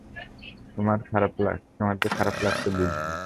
তোমার যে খারাপ লাগছে, বুঝিনি।